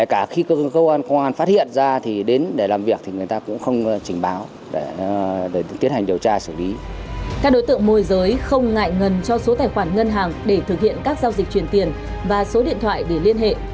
các đối tượng môi giới không ngại ngần cho số tài khoản ngân hàng để thực hiện các giao dịch truyền tiền và số điện thoại để liên hệ